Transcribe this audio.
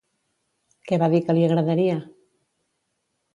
Què va dir que li agradaria?